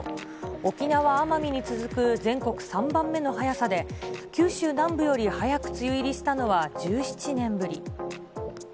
沖縄・奄美に続く全国３番目の早さで、九州南部より早く梅雨入りしたのは１７年ぶり。